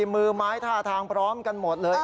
มือไม้ท่าทางพร้อมกันหมดเลย